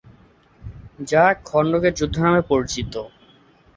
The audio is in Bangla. যা খন্দকের যুদ্ধ নামে পরিচিত।